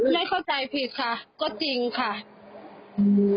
ไม่เข้าใจผิดค่ะก็จริงค่ะอืม